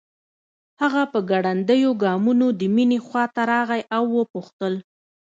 هغه په ګړنديو ګامونو د مينې خواته راغی او وپوښتل